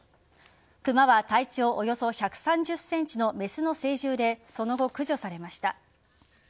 クマは体長およそ１３０ｃｍのメスの成獣でその後、駆除されました。